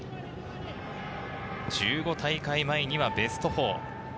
１５大会前にはベスト４。